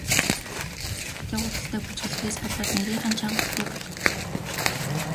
Өндөр өсгийтэй гуталтай бүжиглэдгээс болоод нарийхан, чанга хөлтэй болгодог.